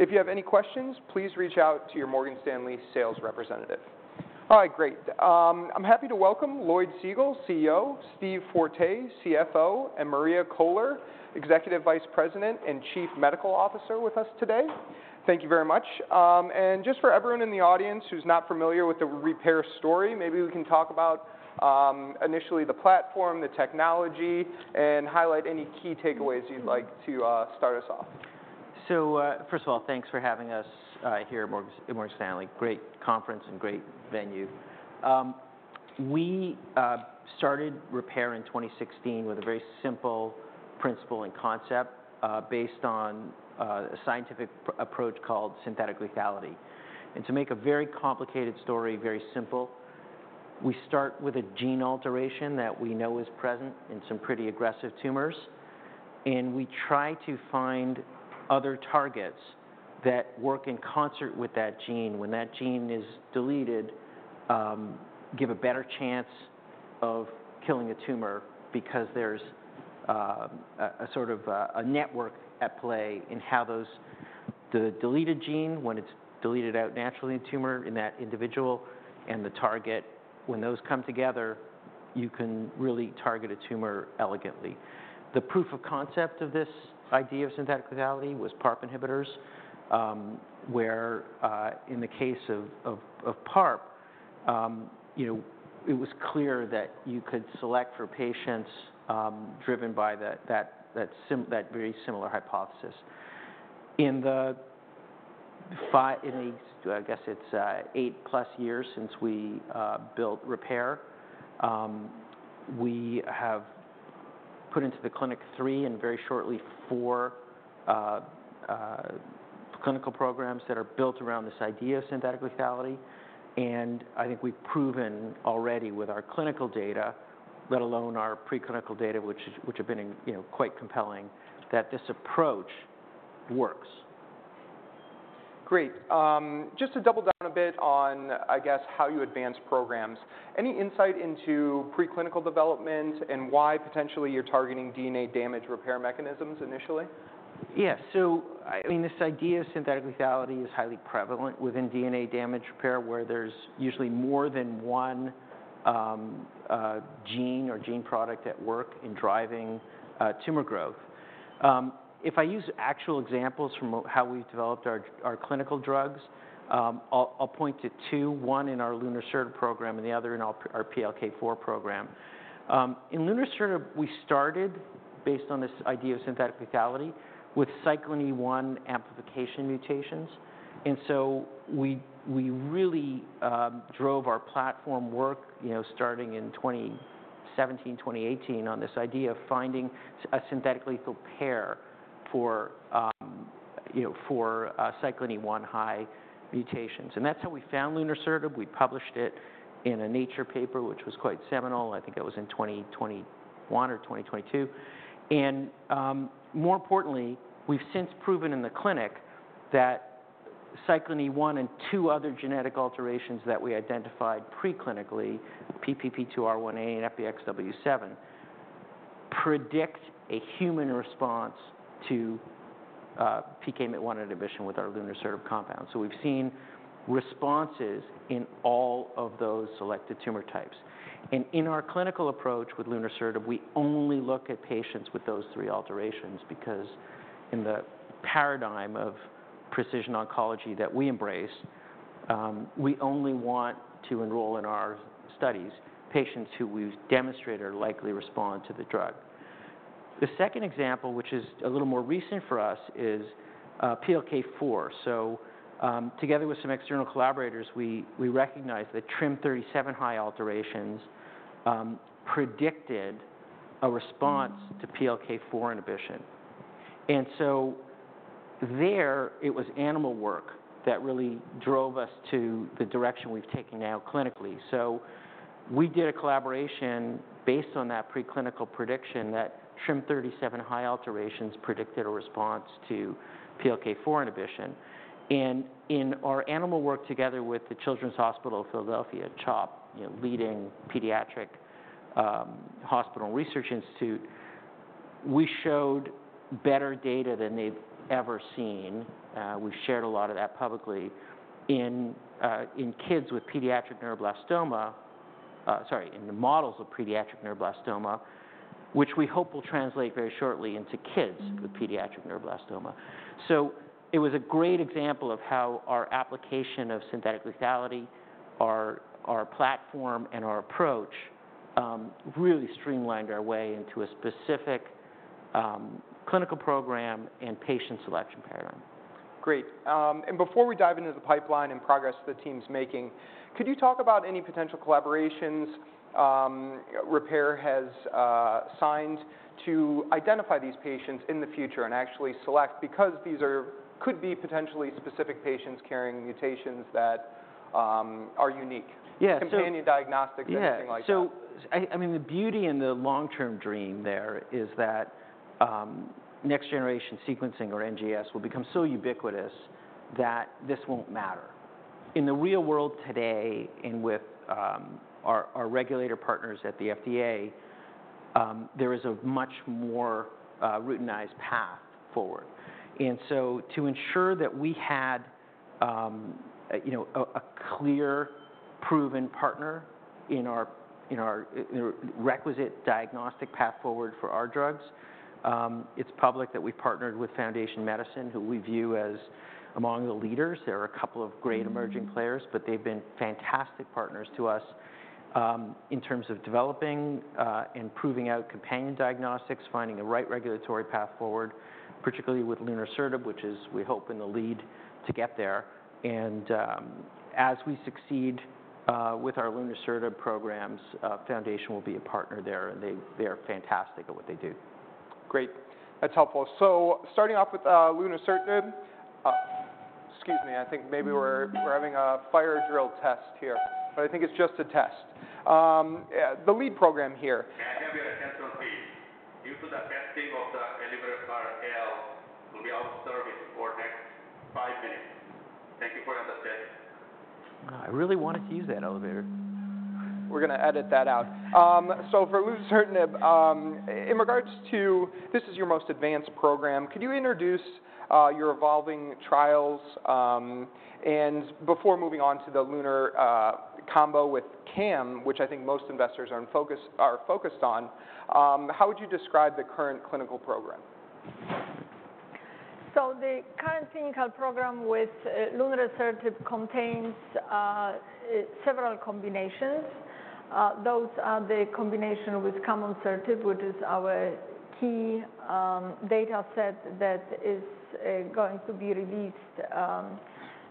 If you have any questions, please reach out to your Morgan Stanley sales representative. All right, great. I'm happy to welcome Lloyd Segal, CEO, Steve Forte, CFO, and Maria Koehler, Executive Vice President and Chief Medical Officer, with us today. Thank you very much. And just for everyone in the audience who's not familiar with the Repare story, maybe we can talk about, initially the platform, the technology, and highlight any key takeaways you'd like to start us off. First of all, thanks for having us here at Morgan Stanley. Great conference and great venue. We started Repare in 2016 with a very simple principle and concept based on a scientific approach called synthetic lethality. To make a very complicated story very simple, we start with a gene alteration that we know is present in some pretty aggressive tumors, and we try to find other targets that work in concert with that gene. When that gene is deleted, give a better chance of killing a tumor because there's a sort of network at play in how the deleted gene, when it's deleted out naturally in tumor in that individual, and the target, when those come together, you can really target a tumor elegantly. The proof of concept of this idea of synthetic lethality was PARP inhibitors. Where, in the case of PARP, you know, it was clear that you could select for patients driven by that very similar hypothesis. In eight-plus years since we built Repare, we have put into the clinic three, and very shortly, four clinical programs that are built around this idea of synthetic lethality. I think we've proven already with our clinical data, let alone our preclinical data, which have been, you know, quite compelling, that this approach works. Great. Just to double down a bit on, I guess, how you advance programs, any insight into preclinical development and why potentially you're targeting DNA damage repair mechanisms initially? Yeah. So, I mean, this idea of synthetic lethality is highly prevalent within DNA damage repair, where there's usually more than one, gene or gene product at work in driving, tumor growth. If I use actual examples from how we've developed our, our clinical drugs, I'll point to two, one in our lunresertib program and the other in our, our PLK4 program. In lunresertib, we started based on this idea of synthetic lethality with Cyclin E1 amplification mutations. And so we really drove our platform work, you know, starting in 2017, 2018, on this idea of finding a synthetic lethal pair for, you know, for, Cyclin E1 high mutations. And that's how we found lunresertib. We published it in a Nature paper, which was quite seminal. I think it was in 2021 or 2022. And, more importantly, we've since proven in the clinic that Cyclin E1 and two other genetic alterations that we identified preclinically, PPP2R1A and FBXW7, predict a human response to PKMYT1 inhibition with our lunresertib compound. So we've seen responses in all of those selected tumor types. And in our clinical approach with lunresertib, we only look at patients with those three alterations because in the paradigm of precision oncology that we embrace, we only want to enroll in our studies patients who we've demonstrated or likely respond to the drug. The second example, which is a little more recent for us, is PLK4. So, together with some external collaborators, we recognized that TRIM37 high alterations predicted a response to PLK4 inhibition. And so there, it was animal work that really drove us to the direction we've taken now clinically. So we did a collaboration based on that preclinical prediction that TRIM37 high alterations predicted a response to PLK4 inhibition. And in our animal work, together with the Children's Hospital of Philadelphia, CHOP, you know, leading pediatric hospital research institute, we showed better data than they've ever seen. We've shared a lot of that publicly, in the models of pediatric neuroblastoma, which we hope will translate very shortly into kids- Mm. -with pediatric neuroblastoma. So it was a great example of how our application of synthetic lethality, our platform and our approach, really streamlined our way into a specific, clinical program and patient selection paradigm. Great. And before we dive into the pipeline and progress the team's making, could you talk about any potential collaborations Repare has signed to identify these patients in the future and actually select? Because these could be potentially specific patients carrying mutations that are unique. Yeah, so- Companion diagnostics or anything like that. Yeah. So I mean, the beauty and the long-term dream there is that next-generation sequencing or NGS will become so ubiquitous that this won't matter. In the real world today, and with our regulator partners at the FDA, there is a much more routinized path forward. And so to ensure that we had a you know a clear proven partner in our requisite diagnostic path forward for our drugs, it's public that we've partnered with Foundation Medicine Inc, who we view as among the leaders. There are a couple of great emerging players, but they've been fantastic partners to us in terms of developing and proving out companion diagnostics, finding the right regulatory path forward, particularly with lunresertib, which is, we hope, in the lead to get there. As we succeed with our lunresertib programs, Foundation will be a partner there, and they are fantastic at what they do. Great. That's helpful. So starting off with lunresertib, excuse me, I think maybe we're having a fire drill test here, but I think it's just a test. Yeah, the lead program here- May I have your attention, please? Due to the testing of the elevator, car L will be out of service for next five minutes. Thank you for your understanding. I really wanted to use that elevator. We're gonna edit that out. So for lunresertib, in regards to... This is your most advanced program, could you introduce your evolving trials, and before moving on to the lunresertib combo with CAM, which I think most investors are focused on, how would you describe the current clinical program? The current clinical program with lunresertib contains several combinations. Those are the combination with camonsertib, which is our key data set that is going to be released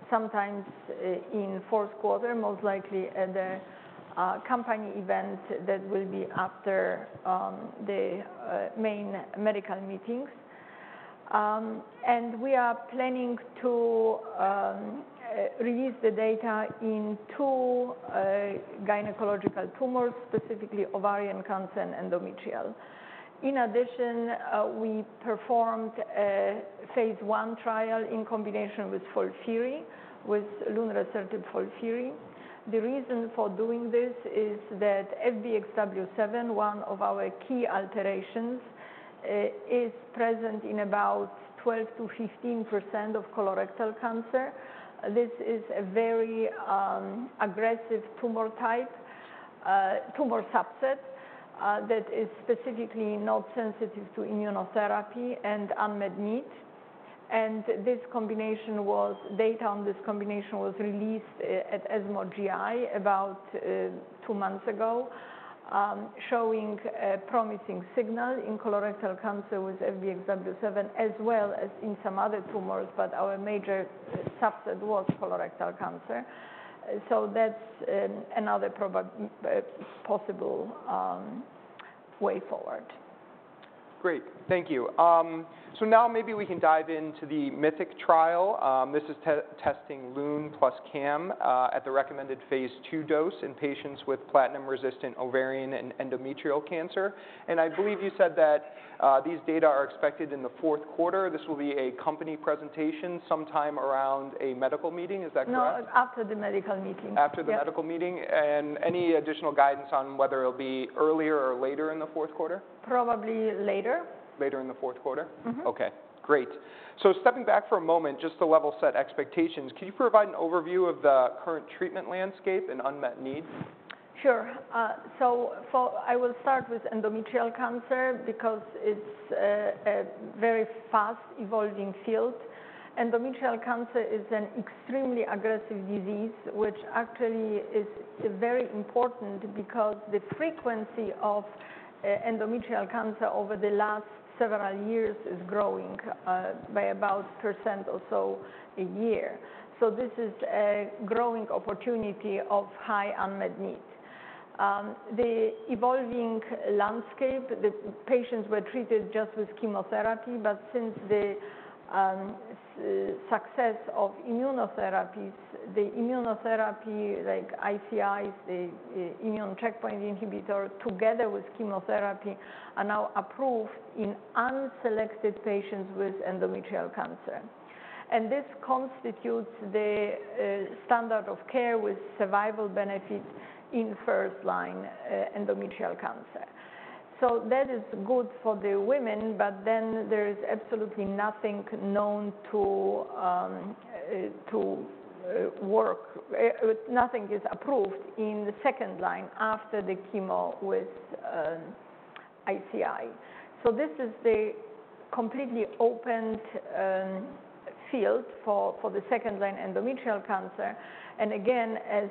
sometimes in fourth quarter, most likely at the company event that will be after the main medical meetings. We are planning to release the data in two gynecological tumors, specifically ovarian cancer and endometrial. In addition, we performed a Phase I trial in combination with FOLFIRI, with lunresertib FOLFIRI. The reason for doing this is that FBXW7, one of our key alterations, is present in about 12% to 15% of colorectal cancer. This is a very aggressive tumor subset that is specifically not sensitive to immunotherapy and unmet need. And this combination was, data on this combination was released at ESMO GI about two months ago, showing a promising signal in colorectal cancer with FBXW7, as well as in some other tumors, but our major subset was colorectal cancer. So that's another possible way forward. Great, thank you. So now maybe we can dive into the MYTHIC trial. This is testing LUN plus CAM at the recommended Phase II dose in patients with platinum-resistant ovarian and endometrial cancer, and I believe you said that these data are expected in the fourth quarter. This will be a company presentation sometime around a medical meeting, is that correct? No, after the medical meeting. After the medical meeting. Yeah. Any additional guidance on whether it'll be earlier or later in the fourth quarter? Probably later. Later in the fourth quarter? Mm-hmm. Okay, great. So stepping back for a moment, just to level set expectations, can you provide an overview of the current treatment landscape and unmet needs? Sure. So, I will start with endometrial cancer because it's a very fast-evolving field. Endometrial cancer is an extremely aggressive disease, which actually is very important because the frequency of endometrial cancer over the last several years is growing by about percent or so a year. So this is a growing opportunity of high unmet need. The evolving landscape, the patients were treated just with chemotherapy, but since the success of immunotherapies, the immunotherapy, like ICIs, the immune checkpoint inhibitor, together with chemotherapy, are now approved in unselected patients with endometrial cancer. And this constitutes the standard of care with survival benefit in first-line endometrial cancer. So that is good for the women, but then there is absolutely nothing known to work, nothing is approved in the second-line after the chemo with ICI. So this is the completely opened field for the second-line endometrial cancer. And again, as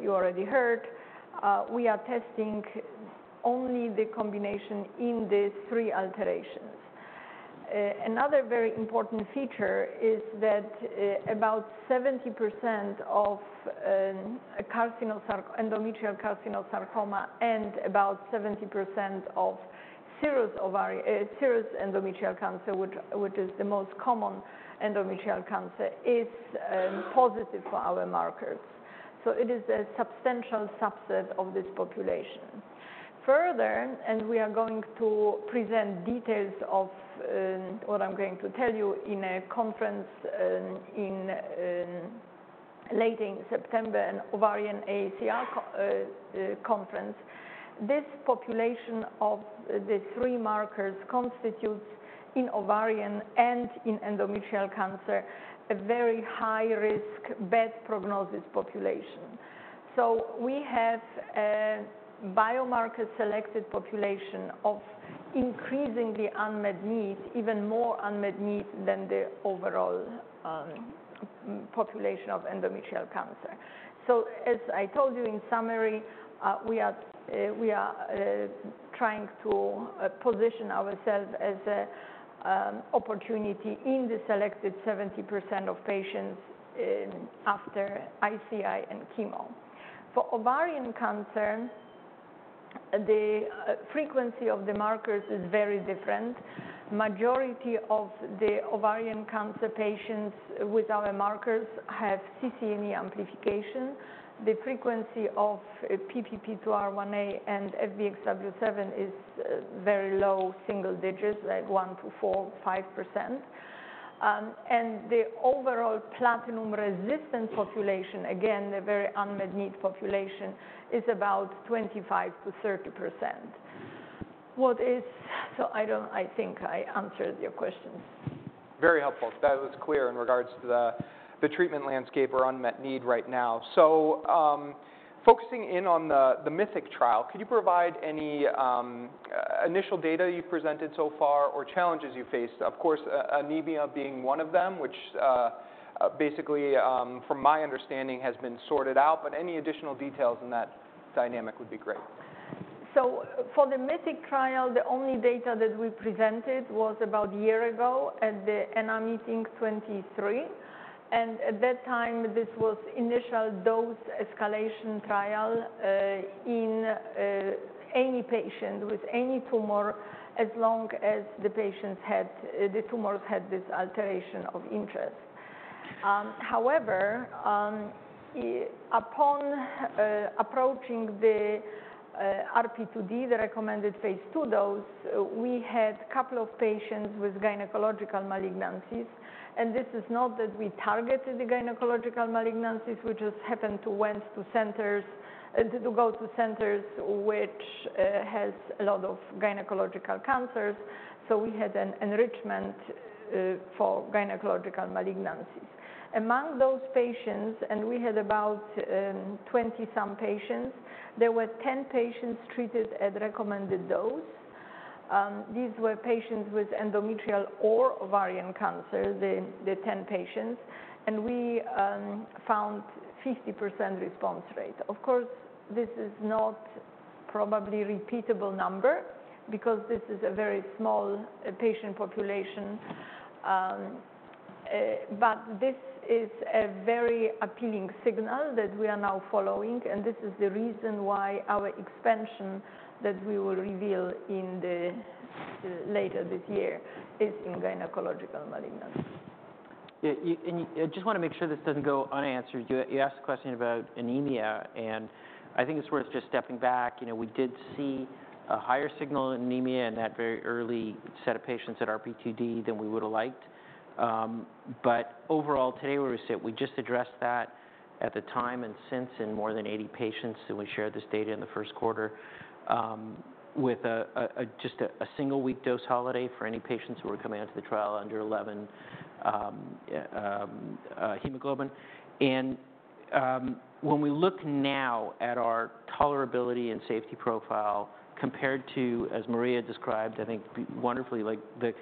you already heard, we are testing only the combination in these three alterations. Another very important feature is that about 70% of carcinosarcoma endometrial carcinosarcoma and about 70% of serous endometrial cancer, which is the most common endometrial cancer, is positive for our markers. So it is a substantial subset of this population. Further, and we are going to present details of what I'm going to tell you in a conference in late in September in Ovarian AACR conference. This population of the three markers constitutes in ovarian and in endometrial cancer, a very high risk, bad prognosis population. So we have a biomarker selected population of increasingly unmet need, even more unmet need than the overall population of endometrial cancer. So as I told you, in summary, we are trying to position ourselves as a opportunity in the selected 70% of patients in, after ICI and chemo. For ovarian cancer, the frequency of the markers is very different. Majority of the ovarian cancer patients with our markers have CCNE amplification. The frequency of PPP2R1A and FBXW7 is very low, single digits, like 1 to four, five percent. And the overall platinum-resistant population, again, a very unmet need population, is about 25% to 30%. So I don't... I think I answered your question. Very helpful. That was clear in regards to the treatment landscape or unmet need right now. So, focusing in on the MYTHIC trial, could you provide any initial data you've presented so far or challenges you faced? Of course, anemia being one of them, which basically from my understanding has been sorted out, but any additional details in that dynamic would be great. For the MYTHIC trial, the only data that we presented was about a year ago at the AACR meeting 2023, and at that time, this was initial dose escalation trial in any patient with any tumor, as long as the patients had the tumors had this alteration of interest. However, upon approaching the RP2D, the recommended Phase 2 dose, we had a couple of patients with gynecological malignancies, and this is not that we targeted the gynecological malignancies, we just happened to went to centers which has a lot of gynecological cancers, so we had an enrichment for gynecological malignancies. Among those patients, and we had about twenty-some patients, there were 10 patients treated at recommended dose. These were patients with endometrial or ovarian cancer, the 10 patients, and we found 50% response rate. Of course, this is not probably repeatable number, because this is a very small patient population. But this is a very appealing signal that we are now following, and this is the reason why our expansion that we will reveal in the later this year is in gynecological malignancy. Yeah, you, and I just want to make sure this doesn't go unanswered. You, you asked a question about anemia, and I think it's worth just stepping back. You know, we did see a higher signal in anemia in that very early set of patients at RP2D than we would have liked. But overall, today, where we sit, we just addressed that at the time and since in more than 80 patients, and we shared this data in the first quarter, with a just a single week dose holiday for any patients who were coming out to the trial under 11 hemoglobin. When we look now at our tolerability and safety profile compared to, as Maria described, I think wonderfully, like the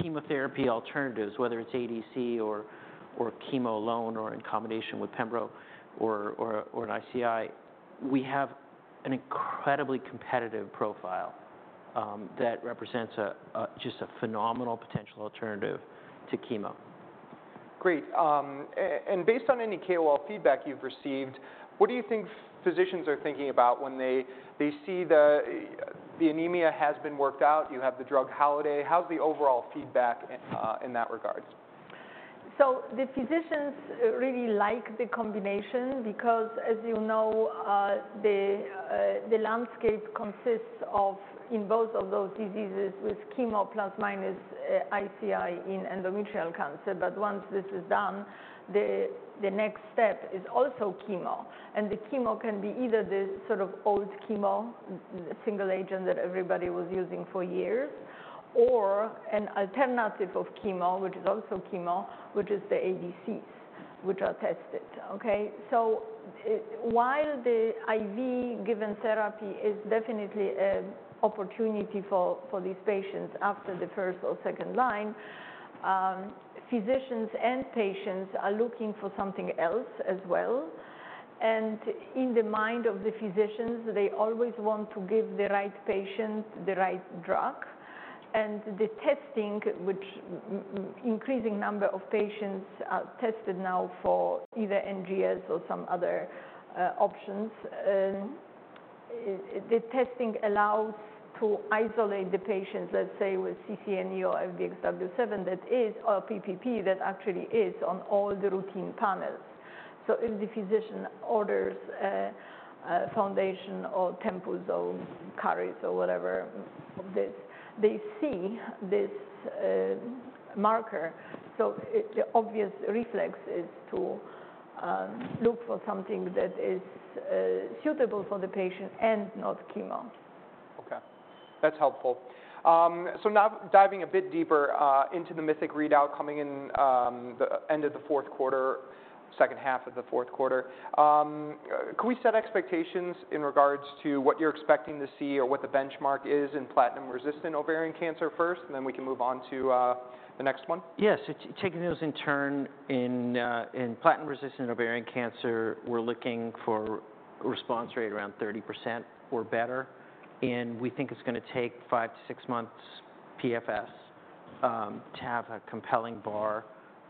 chemotherapy alternatives, whether it's ADC or chemo alone, or in combination with pembro or an ICI, we have an incredibly competitive profile that represents just a phenomenal potential alternative to chemo. Great. And based on any KOL feedback you've received, what do you think physicians are thinking about when they see the anemia has been worked out, you have the drug holiday? How's the overall feedback in that regard? So the physicians really like the combination because, as you know, the landscape consists of, in both of those diseases, with chemo plus minus, ICI in endometrial cancer. But once this is done, the next step is also chemo. And the chemo can be either the sort of old chemo, single agent that everybody was using for years, or an alternative of chemo, which is also chemo, which is the ADCs, which are tested, okay? So while the IV-given therapy is definitely a opportunity for these patients after the first or second line, physicians and patients are looking for something else as well. And in the mind of the physicians, they always want to give the right patient the right drug. The testing, which with increasing number of patients are tested now for either NGS or some other options, the testing allows to isolate the patients, let's say, with CCNE or FBXW7, that is, or PPP, that actually is on all the routine panels. So if the physician orders a Foundation or Tempus or Caris or whatever, this, they see this marker, so the obvious reflex is to look for something that is suitable for the patient and not chemo. Okay, that's helpful. So now diving a bit deeper into the MYTHIC readout coming in the end of the fourth quarter, second half of the fourth quarter. Can we set expectations in regards to what you're expecting to see or what the benchmark is in platinum-resistant ovarian cancer first, and then we can move on to the next one? Yes, taking those in turn, in platinum-resistant ovarian cancer, we're looking for a response rate around 30% or better, and we think it's gonna take five to six months PFS to have a compelling bar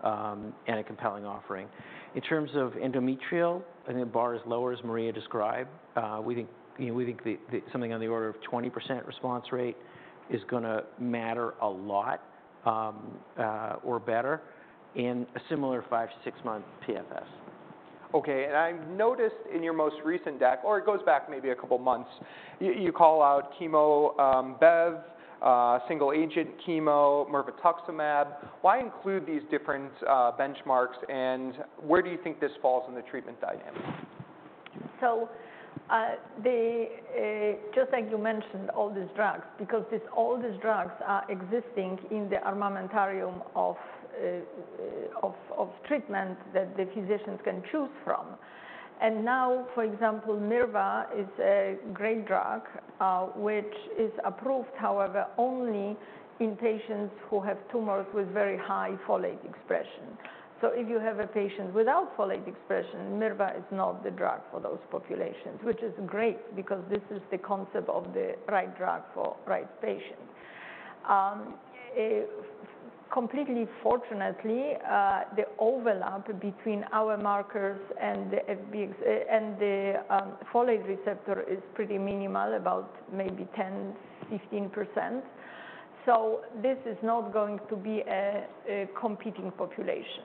and a compelling offering. In terms of endometrial, and the bar is lower, as Maria described, we think, you know, we think the something on the order of 20% response rate is gonna matter a lot or better, and a similar five to six-month PFS. Okay. And I've noticed in your most recent deck, or it goes back maybe a couple months, you call out chemo, Bev, single agent chemo, mirvetuximab. Why include these different benchmarks, and where do you think this falls in the treatment dynamic? Just like you mentioned, all these drugs, because all these drugs are existing in the armamentarium of treatment that the physicians can choose from. And now, for example, Mirva is a great drug, which is approved, however, only in patients who have tumors with very high folate expression. So if you have a patient without folate expression, Mirva is not the drug for those populations, which is great because this is the concept of the right drug for right patient. Completely fortunately, the overlap between our markers and the folate receptor is pretty minimal, about maybe 10% to 15%, so this is not going to be a competing population.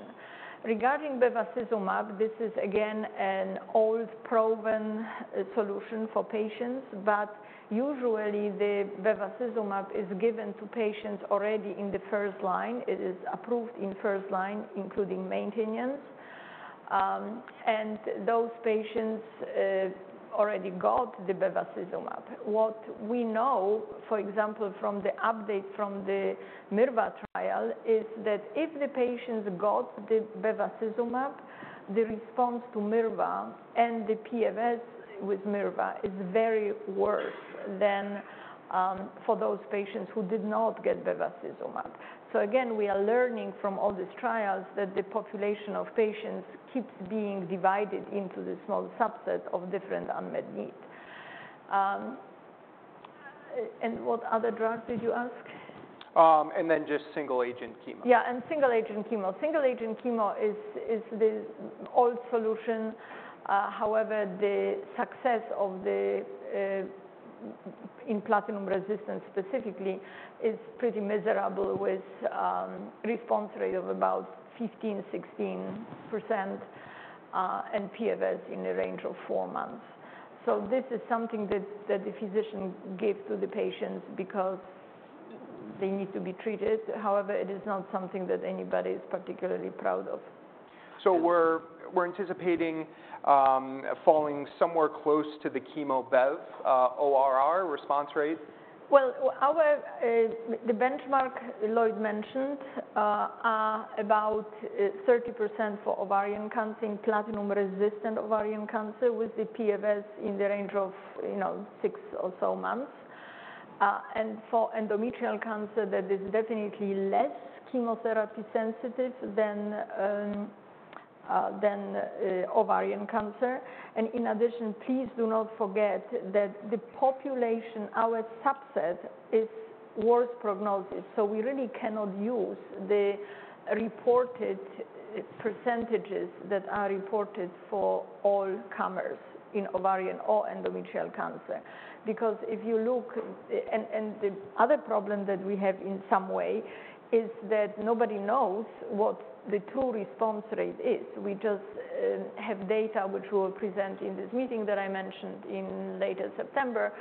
Regarding bevacizumab, this is again, an old proven solution for patients, but usually, the bevacizumab is given to patients already in the first-line. It is approved in first-line, including maintenance, and those patients already got the bevacizumab. What we know, for example, from the update from the Mirva trial is that if the patients got the bevacizumab, the response to Mirva and the PFS with Mirva is very worse than, for those patients who did not get bevacizumab. So again, we are learning from all these trials that the population of patients keeps being divided into this small subset of different unmet needs. And what other drugs did you ask? And then just single-agent chemo. Yeah, and single-agent chemo. Single-agent chemo is the old solution. However, the success in platinum resistance specifically is pretty miserable with a response rate of about 15% to 16%, and PFS in the range of four months. So this is something that the physician give to the patients because they need to be treated. However, it is not something that anybody is particularly proud of. So we're anticipating falling somewhere close to the chemo Bev ORR response rate? Well, the benchmark Lloyd mentioned are about 30% for ovarian cancer in platinum-resistant ovarian cancer, with the PFS in the range of, you know, six or so months. And for endometrial cancer, that is definitely less chemotherapy sensitive than ovarian cancer. And in addition, please do not forget that the population, our subset, is worse prognosis, so we really cannot use the reported percentages that are reported for all comers in ovarian or endometrial cancer. Because if you look. And the other problem that we have in some way is that nobody knows what the true response rate is. We just have data which we'll present in this meeting that I mentioned in later September,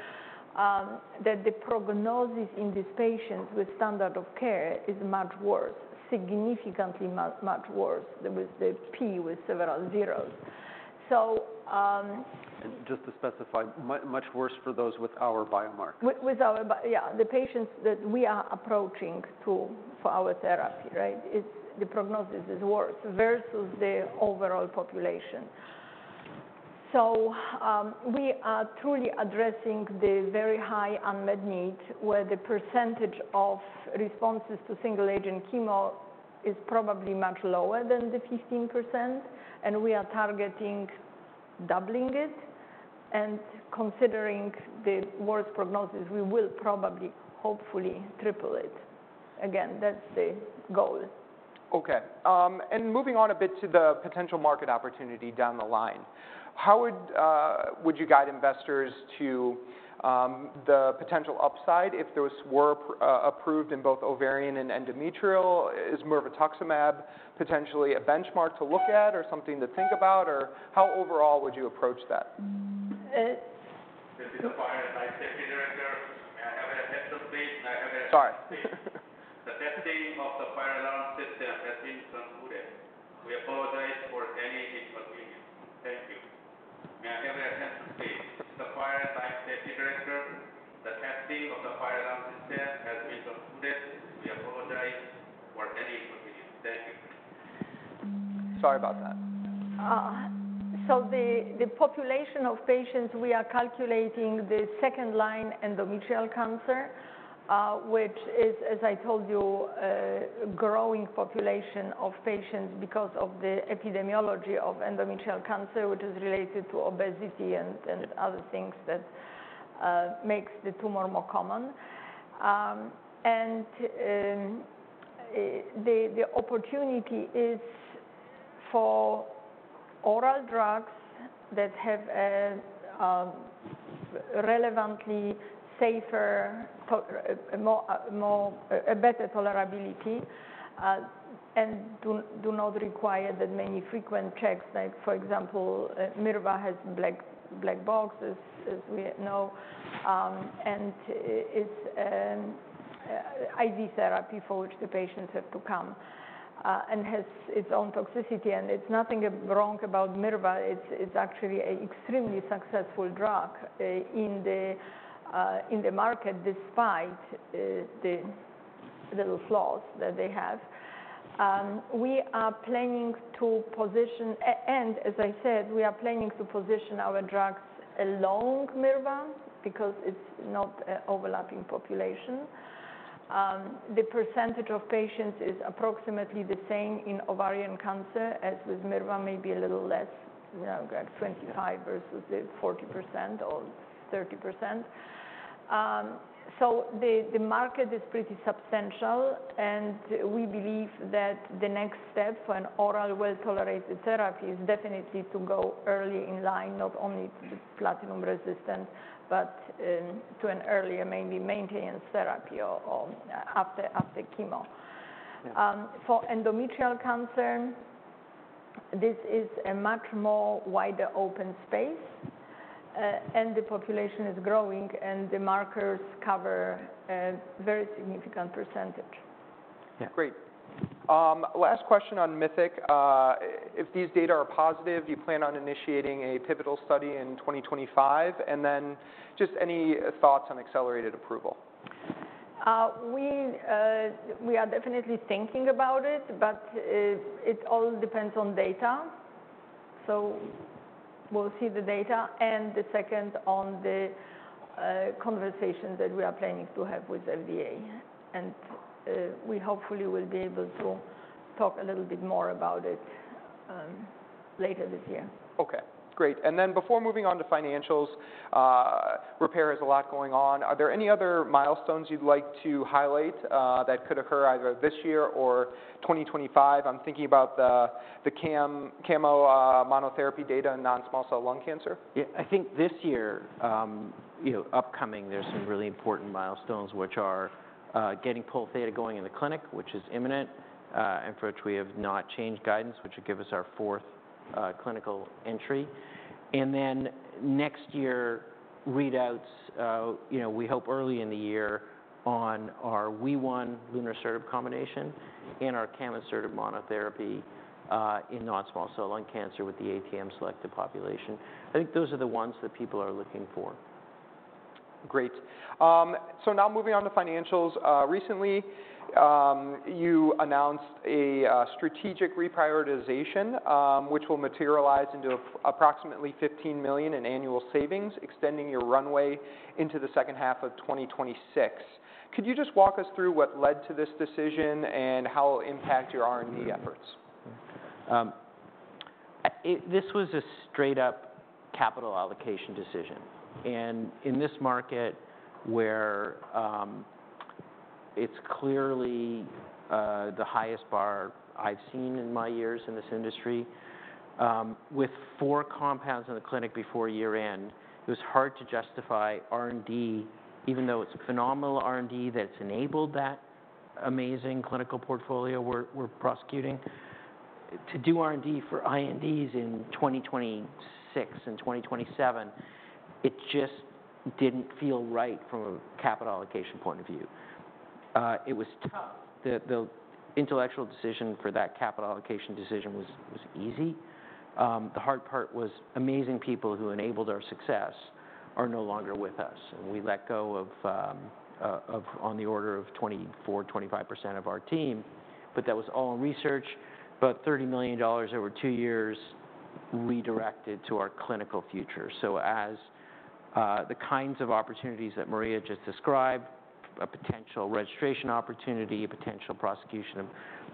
that the prognosis in these patients with standard of care is much worse, significantly much worse than with the PFS with several zeros. Just to specify, much worse for those with our biomarkers. Yeah, the patients that we are approaching to for our therapy, right? It's the prognosis is worse versus the overall population. So, we are truly addressing the very high unmet need, where the percentage of responses to single-agent chemo is probably much lower than the 15%, and we are targeting doubling it. And considering the worst prognosis, we will probably, hopefully, triple it. Again, that's the goal. Okay. And moving on a bit to the potential market opportunity down the line, how would you guide investors to the potential upside if those were approved in both ovarian and endometrial? Is Mirvetuximab potentially a benchmark to look at or something to think about, or how overall would you approach that? This is a fire by safety director.... Sorry. The testing of the fire alarm system has been concluded. We apologize for any inconvenience. Thank you. May I have your attention please? The fire and life safety director, the testing of the fire alarm system has been concluded. We apologize for any inconvenience. Thank you. Sorry about that. So the population of patients we are calculating the second-line endometrial cancer, which is, as I told you, a growing population of patients because of the epidemiology of endometrial cancer, which is related to obesity and other things that makes the tumor more common. And the opportunity is for oral drugs that have a relevantly safer to more, a better tolerability, and do not require that many frequent checks. Like, for example, Mirva has black box, as we know, and it's IV therapy for which the patients have to come, and has its own toxicity. And it's nothing wrong about Mirva, it's actually a extremely successful drug in the market, despite the little flaws that they have. As I said, we are planning to position our drugs along Mirva, because it's not an overlapping population. The percentage of patients is approximately the same in ovarian cancer as with Mirva, maybe a little less, you know, like 25 versus the 40% or 30%. So the market is pretty substantial, and we believe that the next step for an oral well-tolerated therapy is definitely to go early in line, not only to the platinum-resistant, but to an earlier, maybe maintenance therapy or after chemo. Yeah. For endometrial cancer, this is a much more wider open space, and the population is growing, and the markers cover a very significant percentage. Yeah. Great. Last question on MYTHIC. If these data are positive, do you plan on initiating a pivotal study in 2025? And then just any thoughts on accelerated approval? We are definitely thinking about it, but it all depends on data, so we'll see the data. And the second, on the conversation that we are planning to have with the FDA, and we hopefully will be able to talk a little bit more about it later this year. Okay, great. And then before moving on to financials, Repare has a lot going on. Are there any other milestones you'd like to highlight that could occur either this year or 2025? I'm thinking about the camonsertib monotherapy data in non-small cell lung cancer. Yeah. I think this year, you know, upcoming, there's some really important milestones, which are, getting Pol theta going in the clinic, which is imminent, and for which we have not changed guidance, which would give us our fourth, clinical entry. And then next year, readouts, you know, we hope early in the year on our WEE1 lunresertib combination and our camonsertib monotherapy, in non-small cell lung cancer with the ATM selected population. I think those are the ones that people are looking for. Great. So now moving on to financials. Recently, you announced a strategic reprioritization, which will materialize into approximately $15 million in annual savings, extending your runway into the second half of 2026. Could you just walk us through what led to this decision and how it'll impact your R&D efforts? This was a straight-up capital allocation decision, and in this market where it's clearly the highest bar I've seen in my years in this industry, with four compounds in the clinic before year end, it was hard to justify R&D, even though it's a phenomenal R&D that's enabled that amazing clinical portfolio we're prosecuting. To do R&D for INDs in 2026 and 2027, it just didn't feel right from a capital allocation point of view. It was tough. The intellectual decision for that capital allocation decision was easy. The hard part was amazing people who enabled our success are no longer with us, and we let go of on the order of 24% to 25% of our team. But that was all in research, about $30 million over two years, redirected to our clinical future. So as, the kinds of opportunities that Maria just described, a potential registration opportunity, a potential prosecution of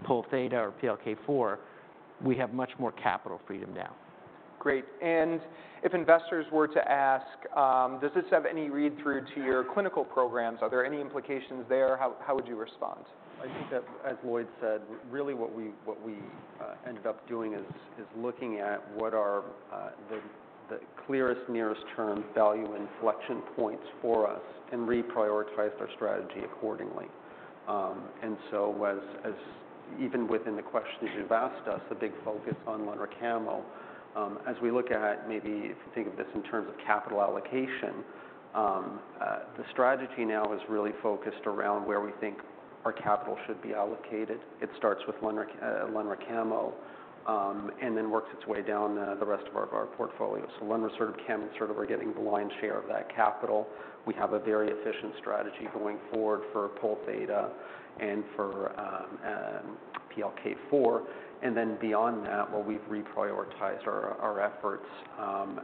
Pol theta or PLK4, we have much more capital freedom now. Great. And if investors were to ask, "Does this have any read-through to your clinical programs? Are there any implications there?" How would you respond? I think that, as Lloyd said, really what we ended up doing is looking at what are the clearest nearest term value inflection points for us and reprioritized our strategy accordingly.... and so as even within the questions you've asked us, a big focus on lunresertib-camonsertib. As we look at maybe if you think of this in terms of capital allocation, the strategy now is really focused around where we think our capital should be allocated. It starts with lunresertib-camonsertib, and then works its way down the rest of our portfolio. So lunresertib-camonsertib sort of we're getting the lion's share of that capital. We have a very efficient strategy going forward for Pol theta and for PLK4. And then beyond that, well, we've reprioritized our efforts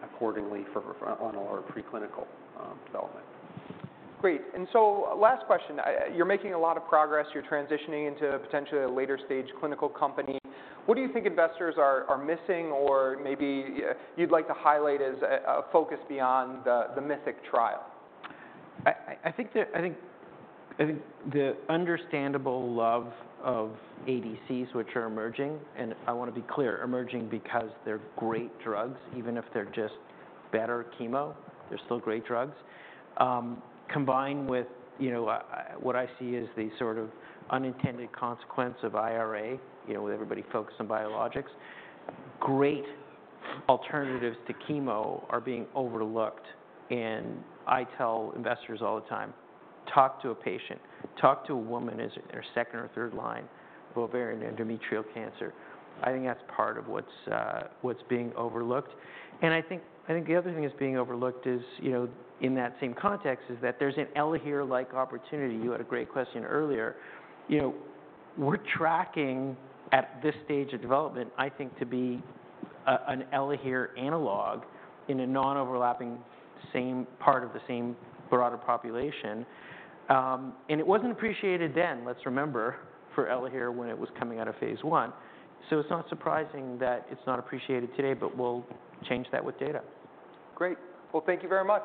accordingly on all our preclinical development. Great. And so last question. You're making a lot of progress. You're transitioning into potentially a later-stage clinical company. What do you think investors are missing, or maybe you'd like to highlight as a focus beyond the MYTHIC trial? I think the understandable love of ADCs, which are emerging, and I want to be clear, emerging because they're great drugs. Even if they're just better chemo, they're still great drugs. Combined with, you know, what I see as the sort of unintended consequence of IRA, you know, with everybody focused on biologics, great alternatives to chemo are being overlooked. And I tell investors all the time, "Talk to a patient. Talk to a woman as their second-or third-line of ovarian and endometrial cancer." I think that's part of what's being overlooked. And I think the other thing that's being overlooked is, you know, in that same context, is that there's an Elahera-like opportunity. You had a great question earlier. You know, we're tracking at this stage of development, I think, to be an Elahera analog in a non-overlapping, same part of the same broader population. It wasn't appreciated then, let's remember, for Elahera when it was coming out of Phase I, so it's not surprising that it's not appreciated today, but we'll change that with data. Great. Well, thank you very much.